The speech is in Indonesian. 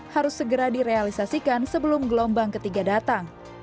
harus segera direalisasikan sebelum gelombang ketiga datang